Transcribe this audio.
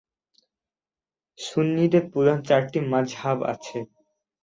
সুন্নিদের প্রধান চারটি মাযহাব আছে।